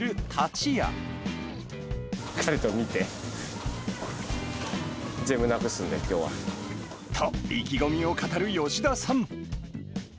しっかりと見て、全部なくすと、意気込みを語る吉田さん。